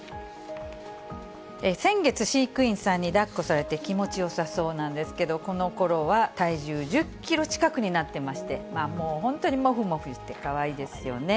先月、飼育員さんにだっこされて気持ちよさそうなんですけど、このころは体重１０キロ近くになってまして、もう本当にもふもふしてかわいいですよね。